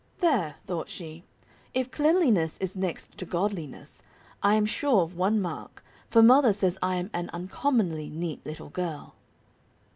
"There," thought she, "if 'cleanliness is next to godliness,' I am sure of one mark, for mother says I am an uncommonly neat little girl."